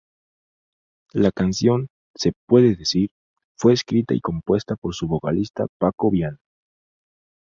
La canción "Se puede decir" fue escrita y compuesta por su vocalista Paco Viana.